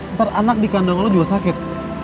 ntar anak di kandang lo juga sakit